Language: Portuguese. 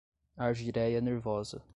argyreia nervosa